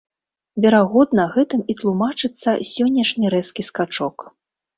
Верагодна, гэтым і тлумачыцца сённяшні рэзкі скачок.